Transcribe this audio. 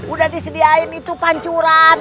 udah disediakan pancuran